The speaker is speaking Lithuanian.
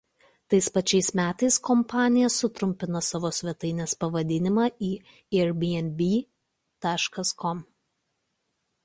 Tais pačiais metais kompanija sutrumpino savo svetainės pavadinimą į "airbnb.com".